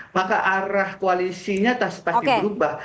maka arah koalisinya pasti berubah